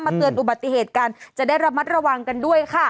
เตือนอุบัติเหตุกันจะได้ระมัดระวังกันด้วยค่ะ